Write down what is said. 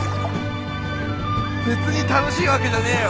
別に楽しいわけじゃねえよ。